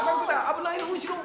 危ないよ